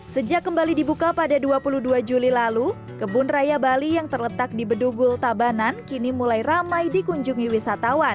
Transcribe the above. sejak kembali dibuka pada dua puluh dua juli lalu kebun raya bali yang terletak di bedugul tabanan kini mulai ramai dikunjungi wisatawan